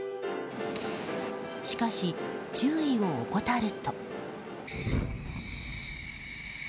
しかし注意を怠ると。